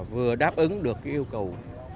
vừa đáp ứng được yêu cầu